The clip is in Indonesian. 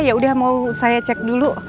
ya udah mau saya cek dulu